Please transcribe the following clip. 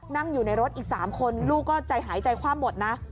นั่งอยู่ในรถอีก๓คนลูกก็ใจหายใจคว่ำหมดนะ